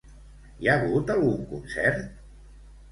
Hi ha hagut algun concert?